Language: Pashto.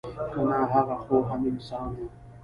که نه هغه خو هم انسان وه.